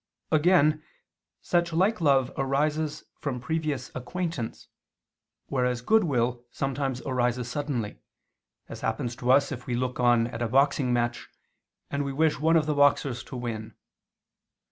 Again such like love arises from previous acquaintance, whereas goodwill sometimes arises suddenly, as happens to us if we look on at a boxing match, and we wish one of the boxers to win.